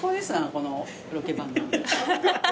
このロケ番組。